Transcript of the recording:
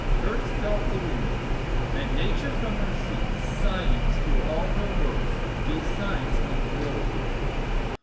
"Earth felt the wound; and Nature from her seat, Sighing, through all her works, gave signs of woe."